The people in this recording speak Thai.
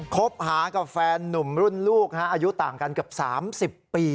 คบหากับแฟนนุ่มรุ่นลูกอายุต่างกันเกือบ๓๐ปี